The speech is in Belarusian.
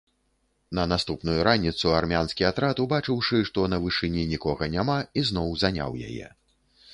На наступную раніцу армянскі атрад, убачыўшы, што на вышыні нікога няма, ізноў заняў яе.